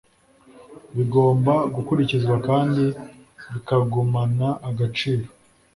bigomba gukurikizwa kandi bikagumana agaciro